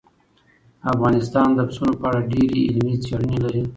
افغانستان د پسونو په اړه ډېرې علمي څېړنې لري.